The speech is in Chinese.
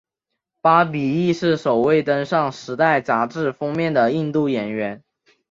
巴比亦是首位登上时代杂志封面的印度演员。